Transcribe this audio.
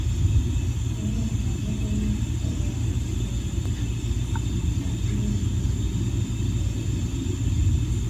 އެހެނަސް މަންމަ ފެނުމުން ސަޖާ އެނދުންތެދުވެތީ މަސްނުއީ ހިނިތުންވުމެއް ތުންފަތަށް ގެންނަމުން